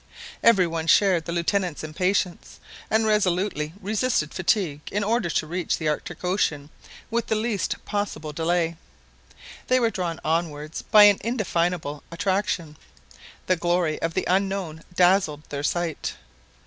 Every one shared the Lieutenant's impatience, and resolutely resisted fatigue in order to reach the Arctic Ocean with the least possible delay. They were drawn onwards by an indefinable attraction; the glory of the unknown dazzled their sight.